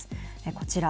こちら。